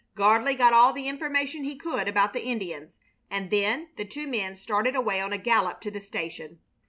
Gardley got all the information he could about the Indians, and then the two men started away on a gallop to the station.